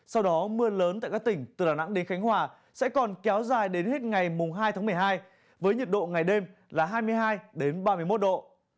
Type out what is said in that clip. sau đó mưa lớn tại các tỉnh từ đà nẵng đến khánh hòa sẽ còn kéo dài đến hết ngày hai tháng một mươi hai với nhiệt độ ngày đêm là hai mươi hai ba mươi một độ